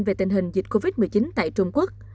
về tình hình dịch covid một mươi chín tại trung quốc